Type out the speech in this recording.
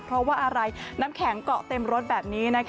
เพราะว่าอะไรน้ำแข็งเกาะเต็มรถแบบนี้